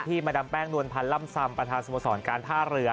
มาดามแป้งนวลพันธ์ล่ำซำประธานสโมสรการท่าเรือ